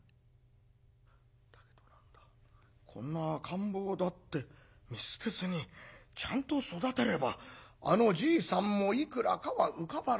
だけど何だこんな赤ん坊だって見捨てずにちゃんと育てればあのじいさんもいくらかは浮かばれてくれよう」。